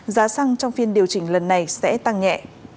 giá xăng trong phiên điều chỉnh lần này sẽ tăng nhẹ